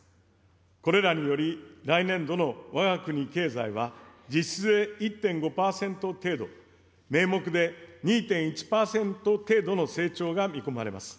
これらにより、来年度のわが国経済は、実質で１．５％程度、名目で２．１％程度の成長が見込まれます。